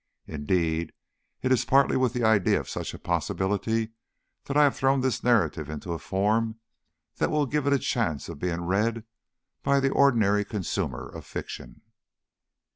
Indeed, it is partly with the idea of such a possibility that I have thrown this narrative into a form that will give it a chance of being read by the ordinary consumer of fiction.